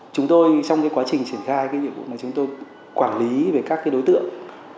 chúng tôi trong quá trình triển khai cái nhiệm vụ mà chúng tôi quản lý về các đối tượng